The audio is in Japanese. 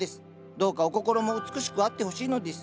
どうかお心も美しくあってほしいのです。